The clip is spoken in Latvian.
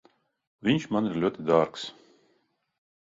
Viņš man ir ļoti dārgs.